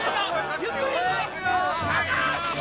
ゆっくり！